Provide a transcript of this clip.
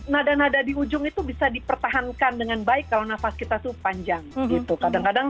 nada nada di ujung itu bisa dipertahankan dengan baik kalau nafas kita tuh panjang gitu kadang kadang